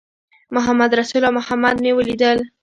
محمدرسول او محمد مې ولیدل.